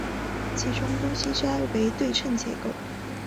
其中东西斋为对称结构。